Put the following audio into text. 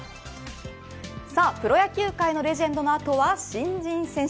プロ野球界のレジェンドの後は新人選手。